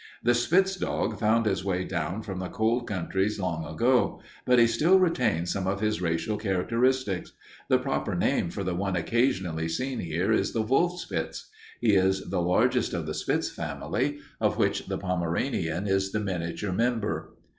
"The spitz dog found his way down from the cold countries long ago, but he still retains some of his racial characteristics. The proper name for the one occasionally seen here is the wolfspitz. He is the largest of the spitz family, of which the Pomeranian is the miniature member.